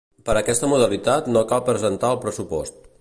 Per a aquesta modalitat no cal presentar el pressupost.